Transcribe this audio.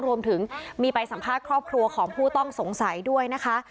รวมถึงมีไปสัมภาษณ์ครอบครัวของผู้ต้องสงสัยด้วยนะคะ